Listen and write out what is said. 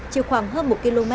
chỉ khoảng hơn một km